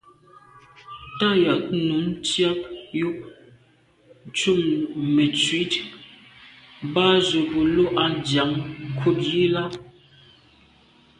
Tà yag num ntsiag yub ntùm metsit ba’ ze bo lo’ a ndian nkut yi là.